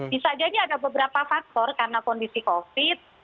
bisa jadi ada beberapa faktor karena kondisi covid